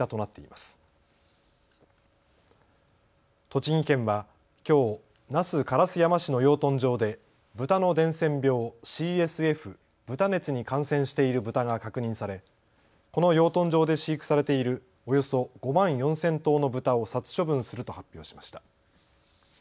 栃木県はきょう那須烏山市の養豚場でブタの伝染病、ＣＳＦ・豚熱に感染しているブタが確認されこの養豚場で飼育されているおよそ５万４０００頭のブタを殺処分すると発表しました。